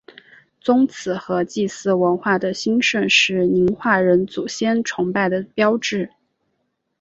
宗祠和祭祀文化的兴盛是宁化人祖先崇拜的标志。